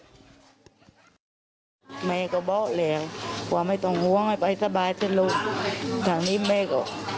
ผมสะบายแล้วให้ลูกไปมาให้ลูกไม่ต้องกลางวนเป็นโรงแม่ก็พอ